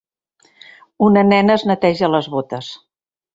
Una nena es neteja les botes.